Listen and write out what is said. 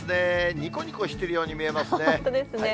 にこにこしているように見えますね。